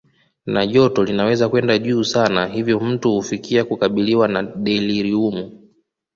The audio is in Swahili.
Na joto linaweza kwenda juu sana hivyo mtu hufikia kukabiliwa na deliriumu